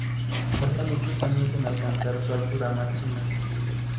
Tarda muchos años en alcanzar su altura máxima.